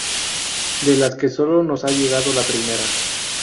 De las que sólo nos ha llegado la primera.